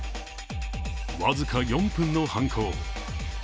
僅か４分の犯行。